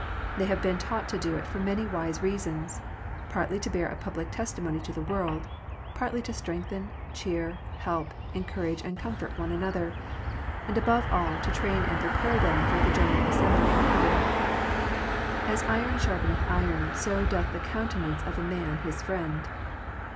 They have been taught to do it for many wise reasons, partly to bear a public testimony to the world, partly to strengthen, cheer, help, encourage, and comfort one another, and above all, to train and prepare them for the general assembly in heaven. " As iron sharpeneth iron, so doth the countenance of a man his friend."